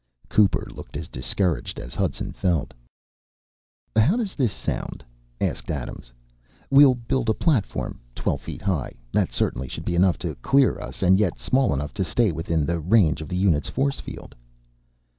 Cooper looked as discouraged as Hudson felt. "How does this sound?" asked Adams. "We'll build a platform twelve feet high. That certainly should be enough to clear us and yet small enough to stay within the range of the unit's force field."